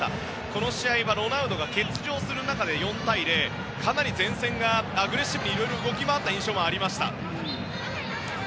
この試合はロナウドが欠場する中で４対０、かなり前線がアグレッシブに動き回った印象もありました。